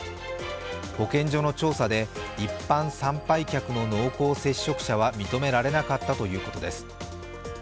保健所の調査で一般参拝客の濃厚接触者は認められなかったということです。